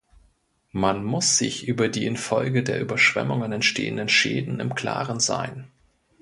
Man muss sich über die infolge der Überschwemmungen entstehenden Schäden im klaren sein.